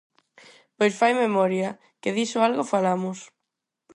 Pois fai memoria, que diso algo falamos.